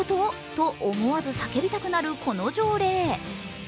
と思わず叫びたくなるこの条例。